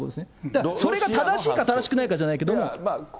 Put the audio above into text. だからそれが正しいか正しくないかじゃないけれども。